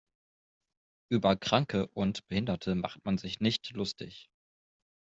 Über Kranke und Behinderte macht man sich nicht lustig.